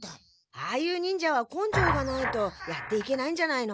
ああいう忍者は根性がないとやっていけないんじゃないの？